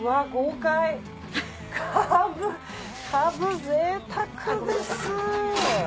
かぶぜいたくです。